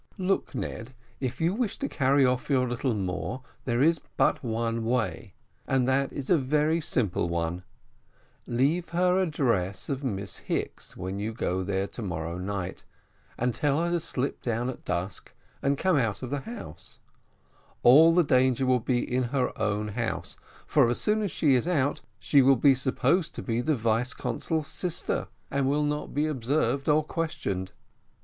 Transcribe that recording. "Look you, Ned, if you wish to carry off your little Moor, there is but one way, and that is a very simple one; leave her a dress of Miss Hicks's when you go there to morrow night, and tell her to slip down at dusk, and come out of the house: all the danger will be in her own house, for as soon as she is out she will be supposed to be the vice consul's sister, and will not be observed or questioned.